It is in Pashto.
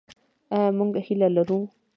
آیا موږ هیله لرو؟